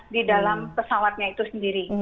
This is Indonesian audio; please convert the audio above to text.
di dalam pesawatnya itu sendiri